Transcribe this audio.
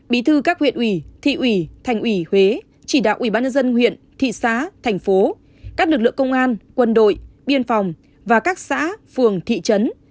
bí thư các huyện ủy thị ủy thành ủy huế chỉ đạo ủy ban nhân dân huyện thị xã thành phố các lực lượng công an quân đội biên phòng và các xã phường thị trấn